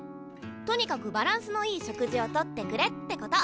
とにかくバランスのいい食事をとってくれってこと。